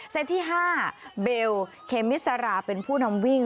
ที่๕เบลเคมิสราเป็นผู้นำวิ่ง